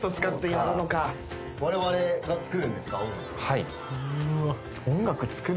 はい。